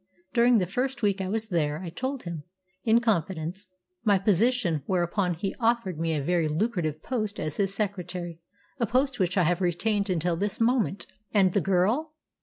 During the first week I was there I told him, in confidence, my position, whereupon he offered me a very lucrative post as his secretary, a post which I have retained until this moment." "And the girl?"